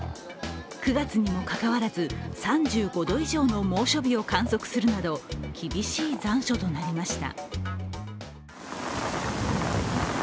９月にもかかわらず、３５度以上の猛暑日を観測するなど厳しい残暑となりました。